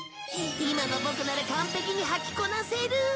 今のボクなら完璧にはきこなせる！